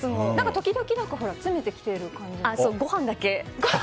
時々、詰めてきている気が。